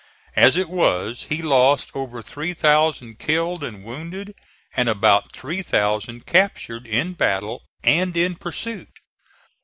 As it was he lost over three thousand killed and wounded and about three thousand captured in battle and in pursuit.